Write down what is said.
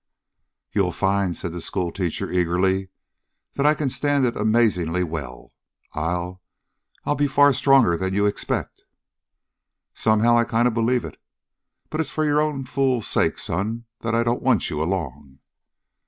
"You'll find," said the schoolteacher eagerly, "that I can stand it amazingly well. I'll I'll be far, far stronger than you expect!" "Somehow I kind of believe it. But it's for your own fool sake, son, that I don't want you along."